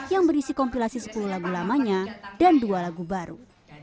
yang berisi kompilasi sepuluh lagu lamanya dan dua lagu baru